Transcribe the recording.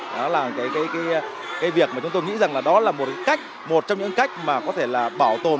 đó là cái việc mà chúng tôi nghĩ rằng là đó là một trong những cách mà có thể là bảo tồn